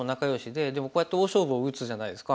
でもこうやって大勝負を打つじゃないですか。